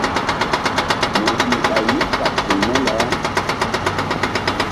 Mu yih ɓay mí kaɓ ziŋ mu le?